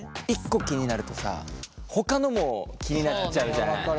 １個気になるとさほかのも気になっちゃうじゃない。